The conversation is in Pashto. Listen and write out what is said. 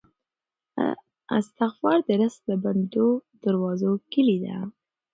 استغفار د رزق د بندو دروازو کیلي ده.